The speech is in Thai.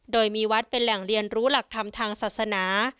โดยมีวัดเป็นแหล่งเรียนรู้หลักธรรมทางศาสนา